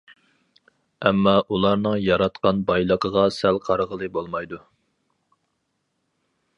ئەمما ئۇلارنىڭ ياراتقان بايلىقىغا سەل قارىغىلى بولمايدۇ.